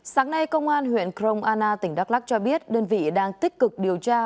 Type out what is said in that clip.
sáng nay công an huyện kronana tỉnh đắk lắc cho biết đơn vị đang tích cực điều tra